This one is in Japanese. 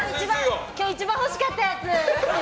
今日一番欲しかったやつ！